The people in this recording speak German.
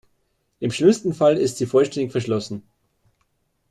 Im schlimmsten Fall ist sie vollständig verschlossen.